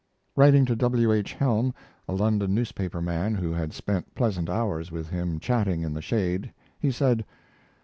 Writing to W. H. Helm, a London newspaper man who had spent pleasant hours with him chatting in the shade, he said